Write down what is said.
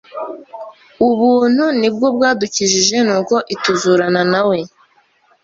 ubuntu nibwo bwa dukijije nuko ituzurana nawe